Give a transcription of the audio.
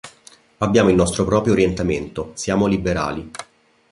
Abbiamo il nostro proprio orientamento: siamo liberali".